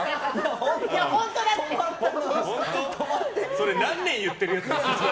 それ、何年言ってるんですか。